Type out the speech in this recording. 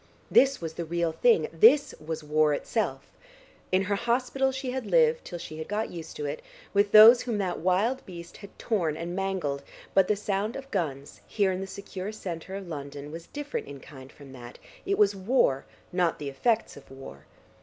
This was the real thing: this was war itself. In her hospital she had lived, till she had got used to it, with those whom that wild beast had torn and mangled, but the sound of guns, here in the secure centre of London, was different in kind from that; it was war, not the effects of war.